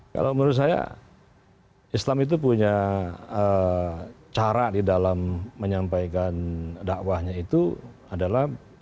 kalau menurut saya islam itu punya cara di dalam menyampaikan dakwahnya itu adalah